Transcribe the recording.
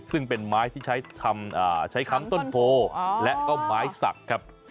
ซึ่งเป็นไม้ที่ใช้คำต้นโพและก็ไม้สักครับ